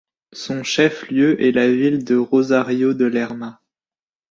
Son chef-lieu est la ville de Rosario de Lerma.